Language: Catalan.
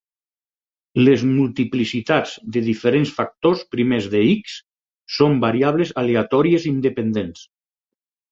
Les multiplicitats de diferents factors primers de "X" són variables aleatòries independents.